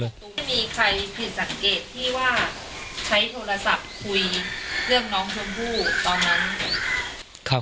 หนูไม่มีใครผิดสังเกตที่ว่าใช้โทรศัพท์คุยเรื่องน้องชมพู่ตอนนั้น